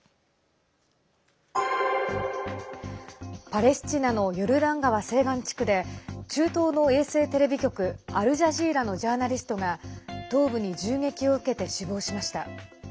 パレスチナのヨルダン川西岸地区で中東の衛星テレビ局アルジャジーラのジャーナリストが頭部に銃撃を受けて死亡しました。